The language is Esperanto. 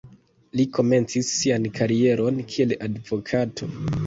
Li komencis sian karieron kiel advokato.